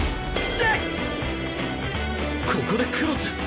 ここでクロス！？